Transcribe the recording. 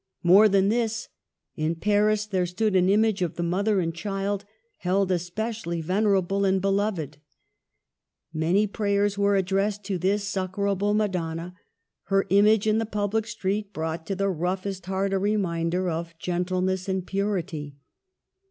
More than this. In Paris there stood an image of the Mother and Child, held especially venerable and beloved. Many prayers were addressed to this succorable Madonna; her image in the public street brought to the roughest heart a reminder of gentleness and purity.